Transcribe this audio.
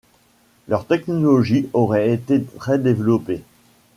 Leur technologie aurait été très développée.